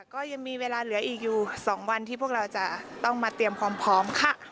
ก็ยังมีเวลาเหลืออีกอยู่๒วันที่พวกเราจะต้องมาเตรียมความพร้อมค่ะ